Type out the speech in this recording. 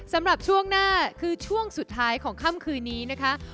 สำหรับช่วงหน้าคือช่วงสุดท้ายของค่ำคืนนี้นะคะ